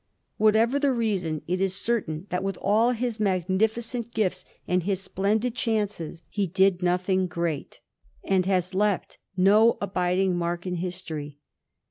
Whatever the reason, it is certain that, with all his magnificent gifts and his splendid chances, he did no thing great, and has left no abiding mark in history.